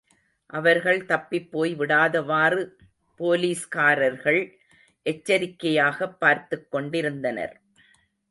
அவர்கள் தப்பிப் போய்விடாதவாறு போலீஸ்காரர்கள் எச்சரிக்கையாகப் பார்த்துக்கொண்டிருந்தனர்.